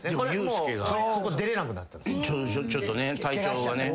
ちょっと体調がね。